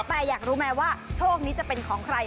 แต่อยากรู้ไหมว่าโชคนี้จะเป็นของใคร